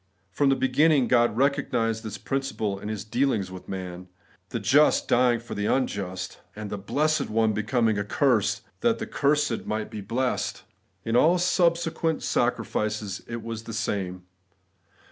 5). From the beginning God recognised this principle in His dealings with man ; the Just dying for the imjust ; the blessed One becoming a curse that the cursed might be blessed. In all subsequent sacri fices it was the same.